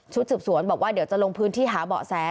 สืบสวนบอกว่าเดี๋ยวจะลงพื้นที่หาเบาะแส